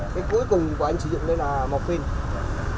cái cuối cùng của anh sử dụng đây là morphine